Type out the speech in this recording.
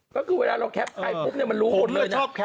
ก็คือเวลาเราแคปใครปุ๊บมันรู้หมดเลยนะ